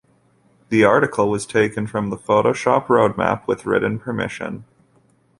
This article was taken from The Photoshop Roadmap with written permission.